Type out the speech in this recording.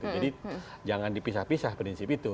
jadi jangan dipisah pisah prinsip itu